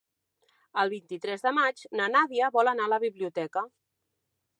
El vint-i-tres de maig na Nàdia vol anar a la biblioteca.